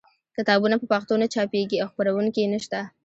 کتابونه په پښتو نه چاپېږي او خپرونکي یې نشته.